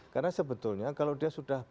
karena sebetulnya kalau dia sudah